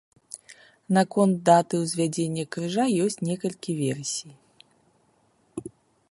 Наконт даты ўзвядзення крыжа ёсць некалькі версій.